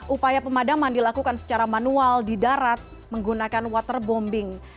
upaya pemadaman dilakukan secara manual di darat menggunakan waterbombing